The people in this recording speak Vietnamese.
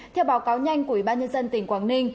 theo báo cáo nhanh của ủy ban nhân dân